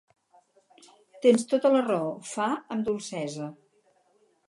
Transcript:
Tens tota la raó —fa amb dolcesa.